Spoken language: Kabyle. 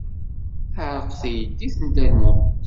Teɛreq teydit n Dda Lmulud.